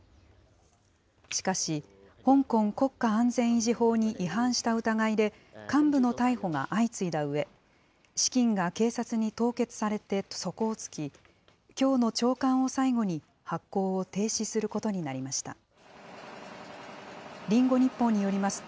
しかし、香港国家安全維持法に違反した疑いで、幹部の逮捕が相次いだうえ、資金が警察に凍結されて底をつき、きょうの朝刊を最後に発行を停止することになりました。